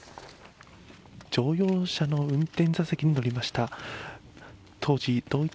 乗用車の運転座席に乗りました。